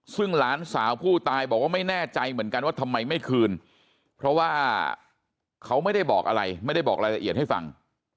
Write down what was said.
ซึ่งหลานสาวผู้ตายบอกว่าไม่แน่ใจเหมือนกันว่าทำไมไม่คืนเพราะว่าเขาไม่ได้บอกอะไรไม่ได้บอกรายละเอียดให้ฟัง